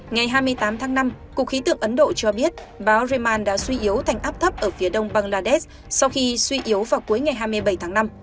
ngày hai mươi tám tháng năm cục khí tượng ấn độ cho biết bão reman đã suy yếu thành áp thấp ở phía đông bangladesh sau khi suy yếu vào cuối ngày hai mươi bảy tháng năm